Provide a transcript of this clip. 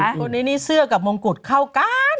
คนนี้นี่เสื้อกับมงกุฎเข้ากัน